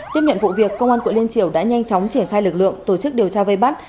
tiếp nhận vụ việc công an quận liên triều đã nhanh chóng triển khai lực lượng tổ chức điều tra vây bắt